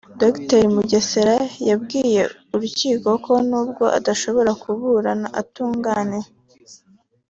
Dr Mugesera yabwiye urukiko ko nubwo adashobra kuburana atunganiwe